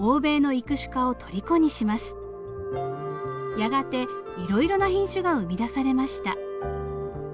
やがていろいろな品種が生み出されました。